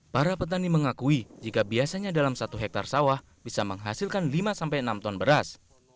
para petani mengakui jika biasanya dalam satu hektare sawah bisa menghasilkan lima enam ton beras